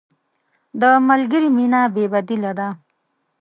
د ملګري مینه بې بدیله ده.